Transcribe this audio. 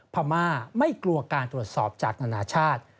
พม่าไม่กลัวการตรวจสอบจากนานาชาติ